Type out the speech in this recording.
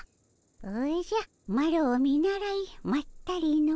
おじゃマロを見習いまったりの。